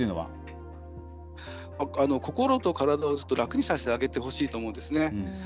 心と体を楽にさせてほしいと思うんですね。